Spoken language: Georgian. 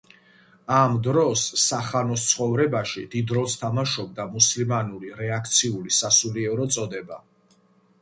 ამ დროს სახანოს ცხოვრებაში დიდ როლს თამაშობდა მუსლიმანური რეაქციული სასულიერო წოდება.